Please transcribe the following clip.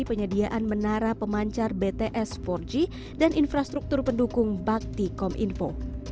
penyediaan menara pemancar bts empat g dan infrastruktur pendukung bakti kominfo